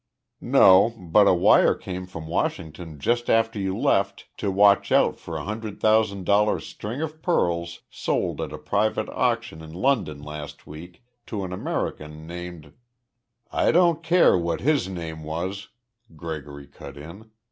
"No, but a wire came from Washington just after you left to watch out for a hundred thousand dollar string of pearls sold at a private auction in London last week to an American named " "I don't care what his name was," Gregory cut in.